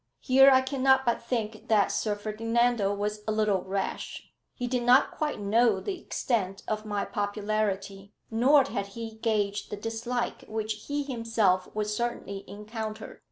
Here I cannot but think that Sir Ferdinando was a little rash. He did not quite know the extent of my popularity, nor had he gauged the dislike which he himself would certainly encounter.